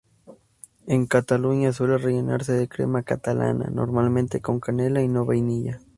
En Cataluña suele rellenarse de crema catalana, normalmente con canela y no vainilla.